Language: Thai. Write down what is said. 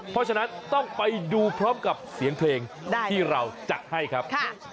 เพราะฉะนั้นต้องไปดูพร้อมกับเสียงเพลงที่เราจัดให้ครับ